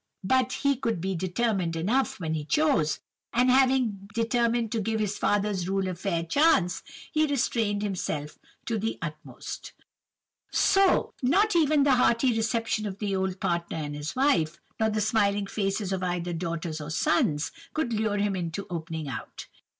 But he could be determined enough when he chose; and having determined to give his father's rule a fair chance, he restrained himself to the utmost. "So, not even the hearty reception of the old partner and his wife, nor the smiling faces of either daughters or sons, could lure him into opening out.